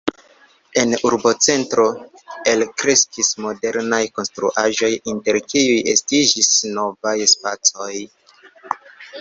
En urbocentro elkreskis modernaj konstruaĵoj, inter kiuj estiĝis novaj spacoj.